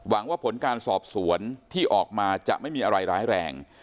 หวังว่าผลการสอบสวนที่ออกมาจะไม่มีอะไรร้ายแรง